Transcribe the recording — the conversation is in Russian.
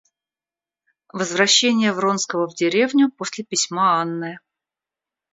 Возвращение Вронского в деревню после письма Анны.